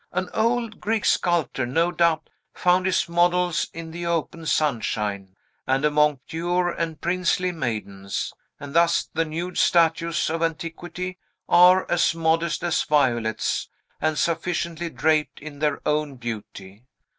An old Greek sculptor, no doubt, found his models in the open sunshine, and among pure and princely maidens, and thus the nude statues of antiquity are as modest as violets, and sufficiently draped in their own beauty.